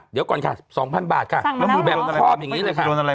เดี๋ยวก่อนค่ะ๒๐๐๐บาทค่ะสั่งมาแล้วหรอมันคือแบบครอบอย่างงี้เลยค่ะ